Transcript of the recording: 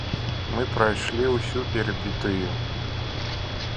Мы прайшлі ўсю перыпетыю.